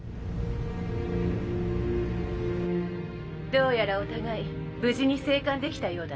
どうやらお互い無事に生還できたようだな。